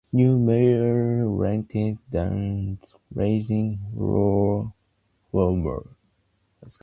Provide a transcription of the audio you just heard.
New mayor ranting and raging Roger Woomert.